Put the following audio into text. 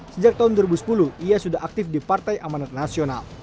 sejak tahun dua ribu sepuluh ia sudah aktif di partai amanat nasional